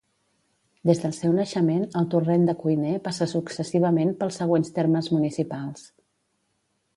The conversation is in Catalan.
Des del seu naixement, el Torrent de Cuiner passa successivament pels següents termes municipals.